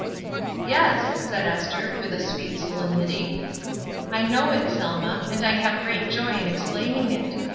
''Yes," said Esther, with a sweet solemnity, ''I know it, Selma, and I have great joy in ex plaining it.